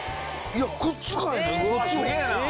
いやくっつかへんねん。